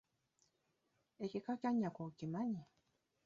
Ekika kya nnyoko okimanyi?